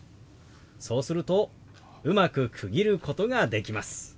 そうするとうまく区切ることができます。